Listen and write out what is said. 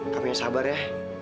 kamu yang sabar ya